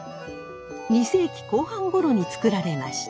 ２世紀後半ごろに作られました。